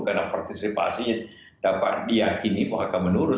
karena partisipasi dapat diyakini bahwa akan menurun